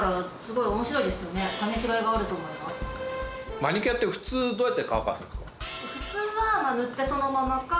マニキュアって普通どうやって乾かすんですか？